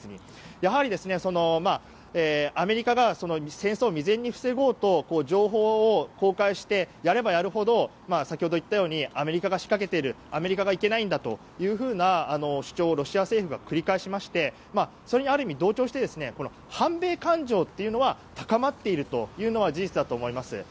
やはり、アメリカが戦争を未然に防ごうと情報を公開してやればやるほど先ほど言ったようにアメリカが仕掛けているアメリカがいけないんだという主張をロシア政府が繰り返しましてそれにある意味、同調して反米感情というのは高まっているのは事実だと思います。